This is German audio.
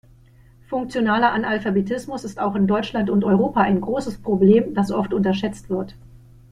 Funktionaler Analphabetismus ist auch in Deutschland und Europa ein großes Problem, das oft unterschätzt wird.